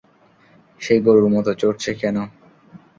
সে গরুর মতো চরছে কেন?